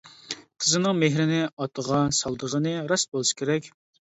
قىزىنىڭ مېھرىنى ئاتىغا سالىدىغىنى راست بولسا كېرەك!